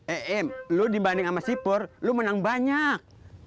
em lu dibanding sama sipur lu menang banyak